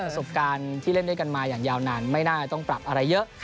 สบการณ์ที่เล่นด้วยกันมาอย่างยาวนานไม่น่าจะต้องปรับอะไรเยอะ